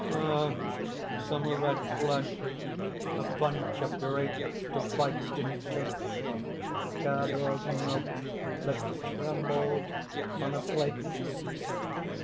_) "Ah! some red flesh a bunch of grapes to bite into ... curdled milk that trembles on a plate!...